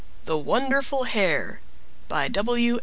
THE WONDERFUL HAIR By W.